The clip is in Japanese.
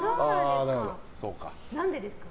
何でですか？